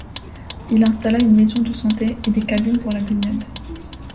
Il installa une maison de santé et des cabines pour la baignade.